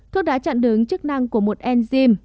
thuốc đã chặn đứng chức năng của một enzyme